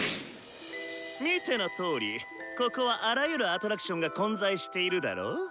見てのとおりここはあらゆるアトラクションが混在しているだろう？